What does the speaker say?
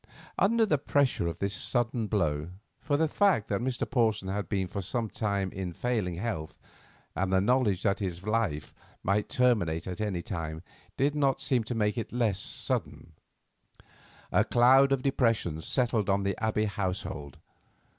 Under the pressure of this sudden blow—for the fact that Mr. Porson had been for some time in failing health, and the knowledge that his life might terminate at any time, did not seem to make it less sudden—a cloud of depression settled on the Abbey household.